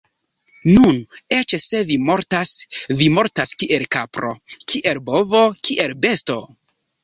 Nun, eĉ se vi mortas, vi mortas kiel kapro, kiel bovo, kiel besto.